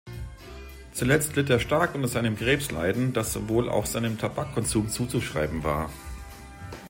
Zuletzt litt er stark unter seinem Krebsleiden, das wohl auch seinem Tabakkonsum zuzuschreiben war.